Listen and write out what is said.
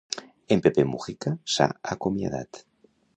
En Pepe Mujica s'ha acomiadat.